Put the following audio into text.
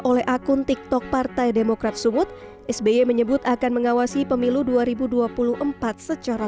oleh akun tiktok partai demokrat sumut sby menyebut akan mengawasi pemilu dua ribu dua puluh empat secara